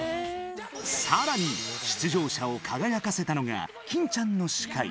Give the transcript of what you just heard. さらに、出場者を輝かせたのが欽ちゃんの司会。